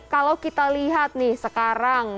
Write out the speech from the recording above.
kalau kita lihat nih sekarang